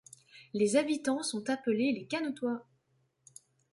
Les habitants sont appelés les Canétois.